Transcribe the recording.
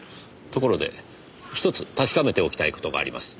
ところで１つ確かめておきたい事があります。